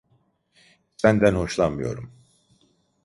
Senden hoşlanmıyorum.